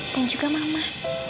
dan juga mama